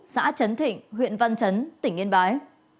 xã trấn thịnh huyện văn trấn tỉnh yên bái